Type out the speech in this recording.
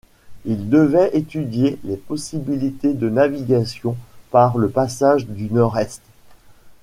Il devait étudier les possibilités de navigation par le passage du Nord-Est.